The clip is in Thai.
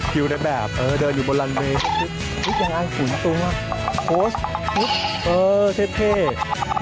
ไปเลย